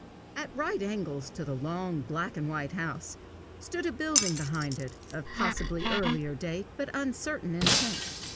At right angles to the long, black and white house, stood a building behind it, of possibly earlier date, but uncertain intent.